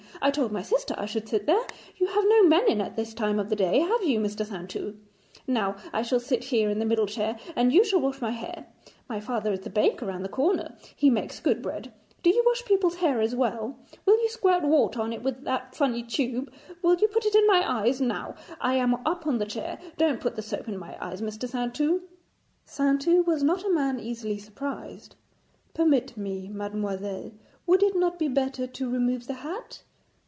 I told my sister I should sit there. You have no men in at this time of day, have you, Mr. Saintou? Now I shall sit here in the middle chair, and you shall wash my hair. My father is the baker round the corner. He makes good bread; do you wash people's hair as well? Will you squirt water on it with that funny tube? Will you put it in my eyes? Now, I am up on the chair. Don't put the soap in my eyes, Mr. Saintou.' Saintou was not a man easily surprised. 'Permit me, mademoiselle, would it not be better to remove the hat?